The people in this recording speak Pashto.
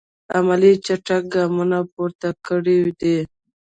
عملي چټک ګامونه پورته کړی دي.